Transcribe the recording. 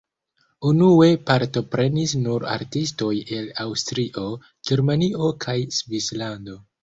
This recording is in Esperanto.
Unue partoprenis nur artistoj el Aŭstrio, Germanio kaj Svislando.